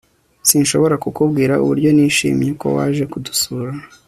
sinshobora kukubwira uburyo nishimiye ko waje kudusura